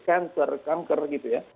kanker kanker gitu ya